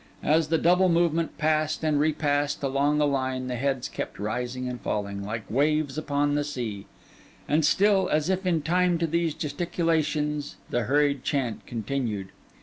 As the double movement passed and repassed along the line, the heads kept rising and falling, like waves upon the sea; and still, as if in time to these gesticulations, the hurried chant continued.